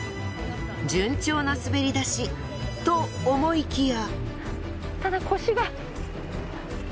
順調な滑り出し。と思いきや。